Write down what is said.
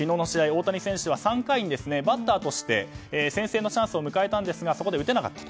大谷選手は３回にバッターとして先制のチャンスを迎えたんですがそこで打てなかった。